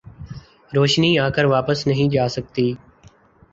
روشنی آکر واپس نہیں جاسکتی